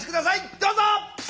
どうぞ！